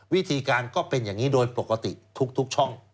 วิธีการก็เป็นอย่างนี้โดยปกติทุกช่อง